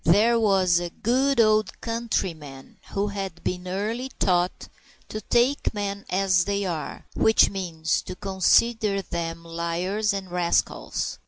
There was a good old countryman who had been early taught to take men as they are, which means to consider them liars and rascals.